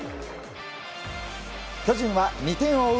巨人は２点を追う